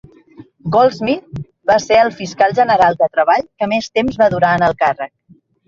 Goldsmith va ser el fiscal general de treball que més temps va durar en el càrrec.